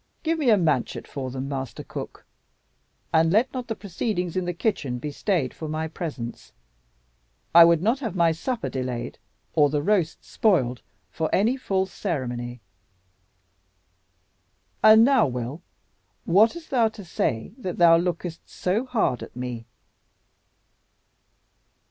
Give me a manchet for them, Master Cook, and let not the proceedings in the kitchen be stayed for my presence. I would not have my supper delayed, or the roasts spoiled, for any false ceremony. And now, Will, what hast thou to say that thou lookest so hard at me?"